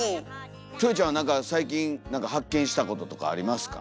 キョエちゃんは何か最近何か発見したこととかありますか？